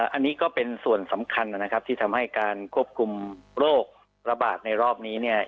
อันนี้ก็เป็นส่วนสำคัญนะครับที่ทำให้การควบคุมโรคระบาดในรอบนี้เนี่ย